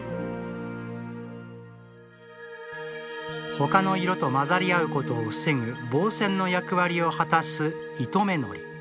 ほかの色と混ざり合うことを防ぐ防染の役割を果たす糸目糊。